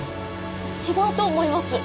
違うと思います。